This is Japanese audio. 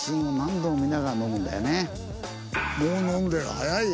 もう飲んでる早いよ。